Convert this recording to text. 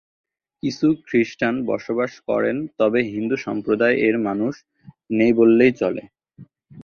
কিছু খ্রিস্টান বসবাস করেন তবে হিন্দু সম্প্রদায় এর মানুষ নেই বললেই চলে।